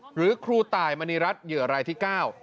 หรือครูตายมณีรัฐเหยื่อรายที่๙